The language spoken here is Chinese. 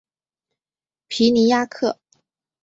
皮尼亚克。